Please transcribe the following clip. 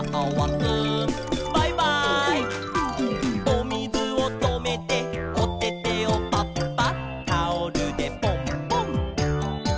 「おみずをとめておててをパッパッ」「タオルでポンポン」